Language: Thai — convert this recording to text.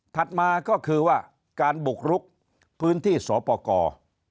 มาก็คือว่าการบุกรุกพื้นที่สปกร